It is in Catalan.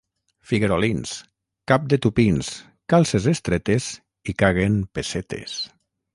Figuerolins: cap de tupins, calces estretes i caguen pessetes.